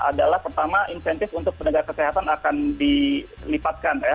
adalah pertama insentif untuk penegak kesehatan akan dilipatkan ya